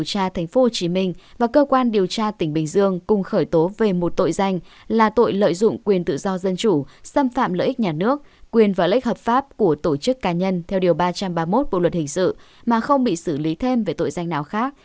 thì cơ quan điều tra tp hcm và cơ quan điều tra tỉnh bình dương cùng khởi tố về một tội danh là tội lợi dụng quyền tự do dân chủ xâm phạm lợi ích nhà nước quyền và lệch hợp pháp của tổ chức cá nhân theo điều ba trăm ba mươi một bộ luật hình sự mà không bị xử lý thêm về tội danh nào khác